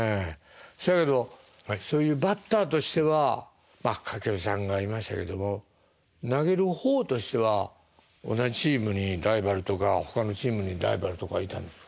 そやけどそういうバッターとしては掛布さんがいましたけども投げる方としては同じチームにライバルとかほかのチームにライバルとかいたんですか？